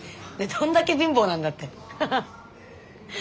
どんだけ貧乏なんだってハハ。